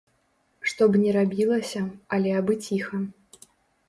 Што б ні рабілася, але абы ціха.